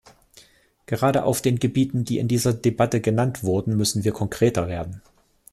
Gerade auf den Gebieten, die in dieser Debatte genannt wurden, müssen wir konkreter werden.